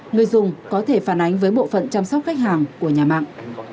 người dùng có thể phản ánh với bộ phận chăm sóc khách hàng của nhà mạng